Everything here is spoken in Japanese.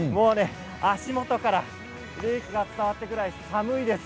足元から冷気が伝わってくるぐらい寒いです。